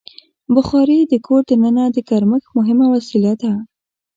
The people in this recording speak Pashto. بخاري د کور دننه د ګرمښت مهمه وسیله ده.